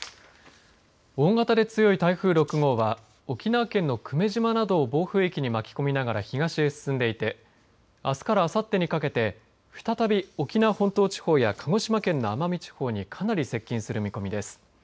大型で強い台風６号は沖縄県の久米島などを暴風域に巻き込みながら東へ進んでいてあすからあさってにかけて再び沖縄本島地方や鹿児島県の奄美地方にかなり接近する見込みです。